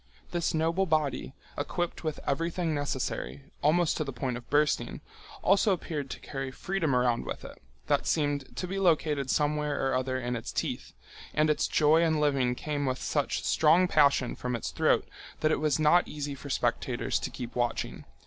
This noble body, equipped with everything necessary, almost to the point of bursting, also appeared to carry freedom around with it. That seem to be located somewhere or other in its teeth, and its joy in living came with such strong passion from its throat that it was not easy for spectators to keep watching.